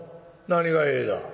何が『え』だ。